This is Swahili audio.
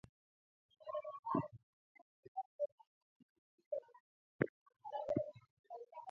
Waingereza waliwatoa wamasai kutoka kwenye maeneo yao na kuwapeleka milimani maisha yakawa magumu